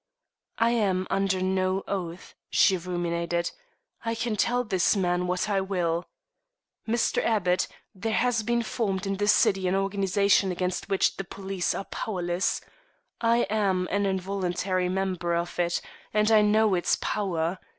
"I am under no oath," she ruminated. "I can tell this man what I will. Mr. Abbott, there has been formed in this city an organization against which the police are powerless. I am an involuntary member of it, and I know its power.